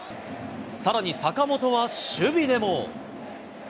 さらに坂本は守備でも。